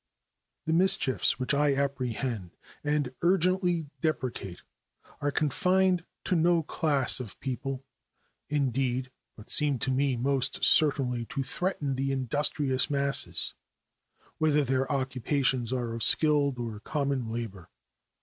The mischiefs which I apprehend and urgently deprecate are confined to no class of the people, indeed, but seem to me most certainly to threaten the industrious masses, whether their occupations are of skilled or common labor.